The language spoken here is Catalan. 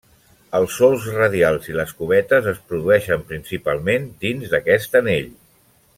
Els solcs radials i les cubetes es produeixen principalment dins d'aquest anell.